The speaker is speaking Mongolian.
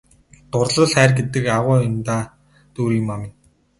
Дурлал хайр гэдэг агуу юм даа Дүүриймаа минь!